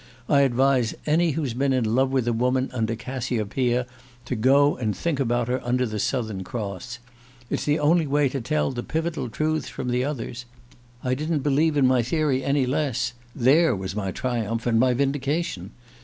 I advise any who's been in love with a woman under Cassiopeia to go and think about her under the Southern Cross. ... It's the only way to tell the pivotal truths from the others. ... I didn't believe in my theory any less there was my triumph and my vindication!